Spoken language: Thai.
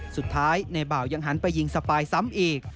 สุดท้ายในบ่าวยังหันไปยิงสปายซ้ำอีก